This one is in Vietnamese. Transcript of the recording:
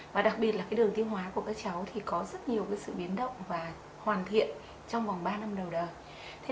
và đặc biệt là đường tiêu hóa của các cháu thì có rất nhiều sự biến động và hoàn thiện trong vòng ba năm đầu đời